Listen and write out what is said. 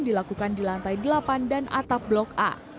dilakukan di lantai delapan dan atap blok a